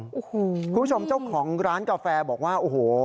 คุณผู้ชมเจ้าของร้านกาแฟบอกว่าโอ้โห